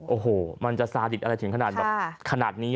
โอ้โหมันจะซาดิดอะไรถึงขนาดนี้